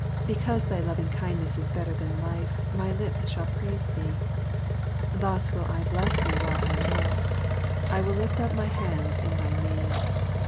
3 Because thy lovingkindness is better than life, my lips shall praise thee. Thus will I bless thee while I live : I will lift up my hands in thy name.